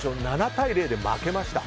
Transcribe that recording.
７対０で負けました。